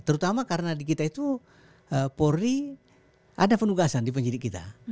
terutama karena di kita itu polri ada penugasan di penyidik kita